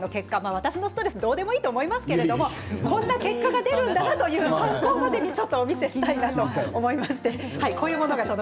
私のストレスどうでもいいと思いますが、こんな結果が出るんだなというのを参考までにお見せしたいと思います。